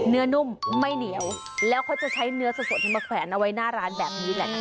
เนื้อนุ่มไม่เหนียวแล้วเขาจะใช้เนื้อสดให้มาแผนเอาไว้หน้าร้านแบบนี้แหละ